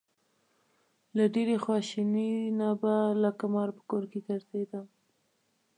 له ډېرې خواشینۍ نه به لکه مار په کور کې ګرځېدم.